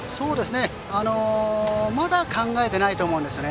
まだ考えていないと思いますね。